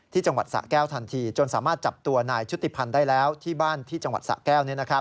จังหวัดสะแก้วทันทีจนสามารถจับตัวนายชุติพันธ์ได้แล้วที่บ้านที่จังหวัดสะแก้ว